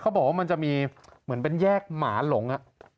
บอกว่ามันจะมีเหมือนเป็นแยกหมาหลง